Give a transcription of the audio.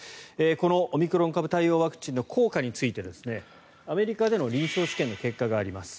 このオミクロン株対応ワクチンの効果についてアメリカでの臨床試験の結果があります。